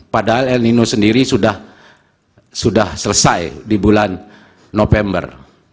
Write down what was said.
padahal el nino sendiri sudah selesai di bulan november